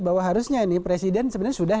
bahwa harusnya ini presiden sebenarnya sudah